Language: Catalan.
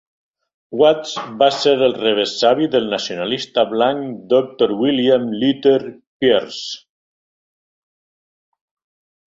Watts va ser el rebesavi del nacionalista blanc Doctor William Luther Pierce.